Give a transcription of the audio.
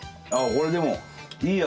これでもいい味